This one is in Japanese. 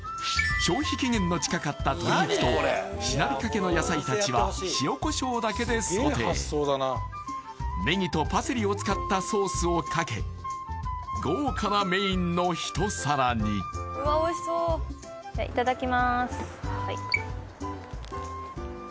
消費期限の近かった鶏肉としなびかけの野菜たちは塩コショウだけでソテーネギとパセリを使ったソースをかけ豪華なメインの一皿にいただきます